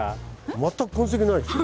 全く痕跡ないですよ。